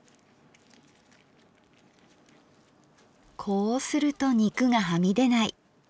こうすると肉がはみ出ない。